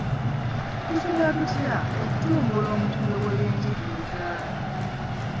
Tusobola tutya okutumbula omutindo gw'ebyenjigiriza?